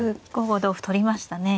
５五同歩取りましたね。